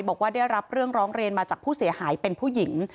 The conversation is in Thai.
บอกว่าได้รับเรื่องร้องเรียนมาจากผู้เสียหายเป็นผู้หญิง